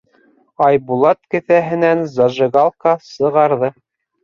Айбулат кеҫәһенән зажигалка сығарҙы.